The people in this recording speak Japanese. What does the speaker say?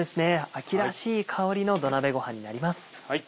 秋らしい香りの土鍋ごはんになります。